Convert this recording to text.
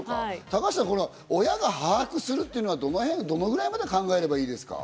親が把握するっていうのはどのくらいまで考えればいいですか？